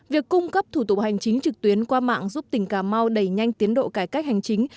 việc cung cấp thủ tục hành chính trực tuyến qua mạng giúp tỉnh cà mau đẩy nhanh tiến độ cải cách hành chính